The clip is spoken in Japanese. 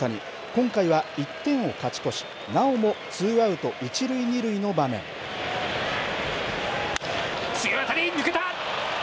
今回は１点を勝ち越しなおもツーアウト強い当たり、抜けた。